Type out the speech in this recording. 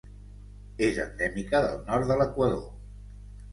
És endèmica del nord de l'Equador.